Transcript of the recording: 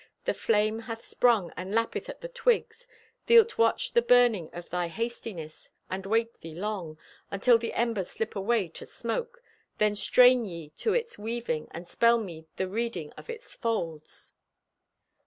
The flame hath sprung and lappeth at the twigs. Thee'lt watch the burning of thy hastiness, And wait thee long Until the embers slip away to smoke. Then strain ye to its weaving And spell to me the reading of its folds.